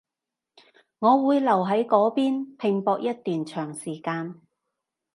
我會留喺嗰邊拼搏一段長時間